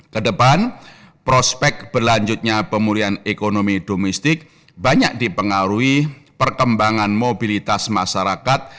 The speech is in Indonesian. kedepan prospek berlanjutnya pemulihan ekonomi domestik banyak dipengaruhi perkembangan mobilitas masyarakat